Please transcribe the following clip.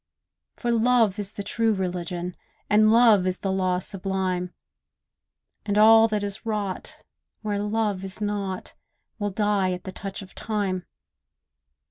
For love is the true religion, And love is the law sublime; And all that is wrought, where love is not, Will die at the touch of time.